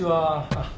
あっ。